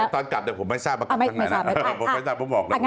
ตอนกลับได้ผมไม่ทราบมาคับข้างหน้าครับ